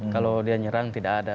kalau dia nyerang tidak ada